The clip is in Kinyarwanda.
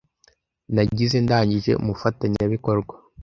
Nagize Ndagije umufatanyabikorwa.